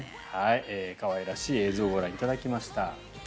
可愛らしい映像をご覧いただきました。